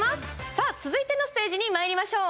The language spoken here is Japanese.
さあ、続いてのステージにまいりましょう。